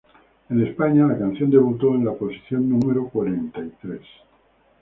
En España, la canción debutó en la posición número cuarenta y tres.